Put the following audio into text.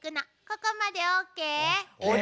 ここまでＯＫ？ＯＫ！